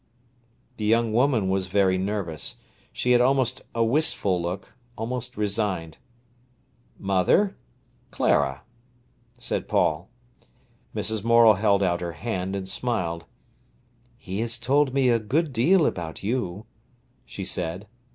The young woman was very nervous. She had almost a wistful look, almost resigned. "Mother—Clara," said Paul. Mrs. Morel held out her hand and smiled. "He has told me a good deal about you," she said.